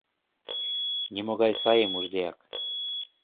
Нимогай сайым уждеак.